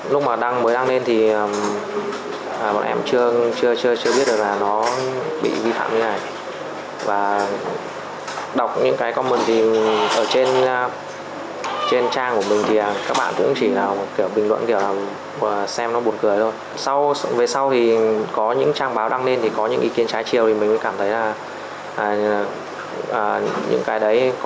lúc mà mới đăng lên thì